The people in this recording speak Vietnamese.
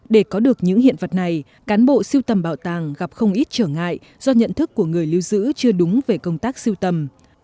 để có được những hiện vật này cán bộ siêu tầm bảo tàng gặp không ít trở ngại do nhận thức của người lưu giữ chưa đúng về công tác siêu tầm